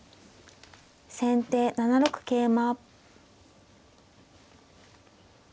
先手７六桂馬。